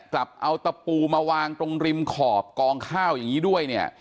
กลับเอาตะปูมาวางตรงริมขอบกองข้าวอย่างนี้ด้วยเนี่ย